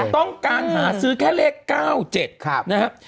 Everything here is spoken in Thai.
ต้องการหาซื้อแค่เลข๙๗นะครับ